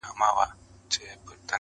ستا په غېږ کي دوه ګلابه خزانېږي,